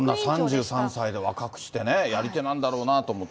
こんな３３歳で若くしてね、やり手なんだろうなと思って。